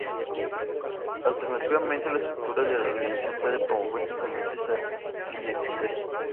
Alternativamente, la estructura de la organización puede promover simplemente esta ineficacia.